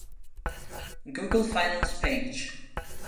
Google Finance Page.